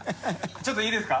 ちょっといいですか？